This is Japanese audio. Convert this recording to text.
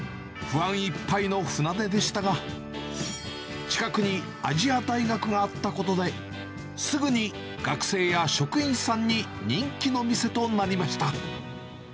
不安いっぱいの船出でしたが、近くに亜細亜大学があったことで、すぐに学生や職員さんに人気の店となりました。